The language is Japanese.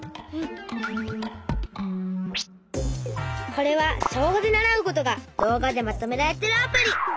これは小５で習うことが動画でまとめられてるアプリ。